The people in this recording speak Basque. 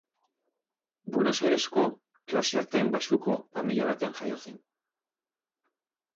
Buenos Airesko klase ertain-baxuko familia batean jaio zen.